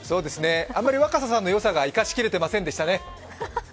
あまり若狭さんの良さが生かし切れていませんでしたね。